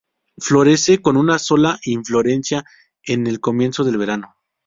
Florece con una sola inflorescencia en el comienzo del verano.